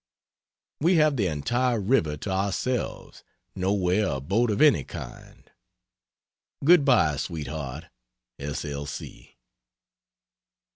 We have the entire river to ourselves nowhere a boat of any kind. Good bye Sweetheart S. L. C.